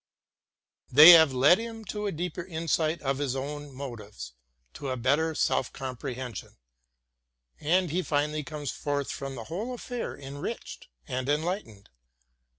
They have led him to a deeper insight into his own motives, to a better self com prehension. And he finally comes forth from the whole af fair enriched and enlightened.